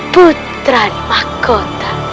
putra limah kota